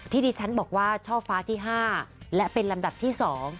ที่ดิฉันบอกว่าช่อฟ้าที่๕และเป็นลำดับที่๒